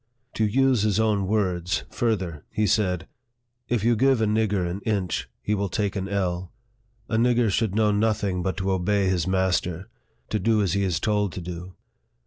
To use his own words, further, he said, " If you give a nigger an inch, he will take an ell. A nigger should know nothing but to obey his master to do as he is told to do.